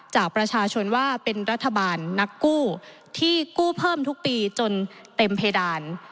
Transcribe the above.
จากประชาชนว่าเป็นรัฐบาลนักกู้ที่กู้เพิ่มทุกปีจนเต็มเพดาน